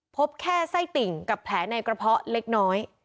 พบแค่ไส้ติ่งกับแผลในกระเพาะเล็กน้อย